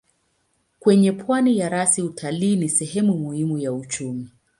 Kwenye pwani ya rasi utalii ni sehemu muhimu ya uchumi.